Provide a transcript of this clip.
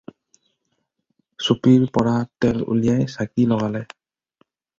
চুপিৰ পৰা তেল উলিয়াই চাকি লগালে।